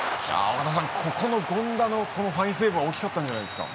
岡田さん、ここの権田のファインセーブは大きかったんじゃないですか。